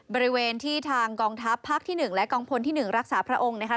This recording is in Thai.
บริเวณที่ทางกองทัพภาคที่๑และกองพลที่๑รักษาพระองค์นะคะ